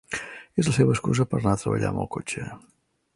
És la seva excusa per anar a treballar amb el cotxe.